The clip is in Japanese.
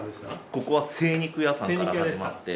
ここは精肉屋さんから始まって。